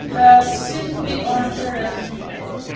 "Her sin be on her own head!"